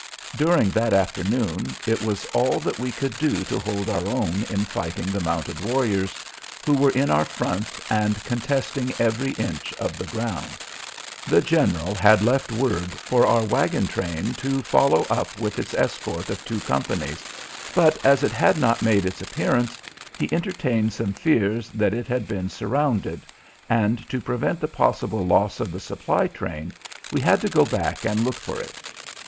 During that afternoon it was all that we could do to hold our own in fighting the mounted warriors, who were in our front and contesting every inch of the ground. The General had left word for our wagon train to follow up with its escort of two companies, but as it had not made its appearance, he entertained some fears that it had been surrounded, and to prevent the possible loss of the supply train we had to go back and look for it.